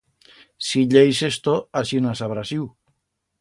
Si lleis esto, asinas habrá siu.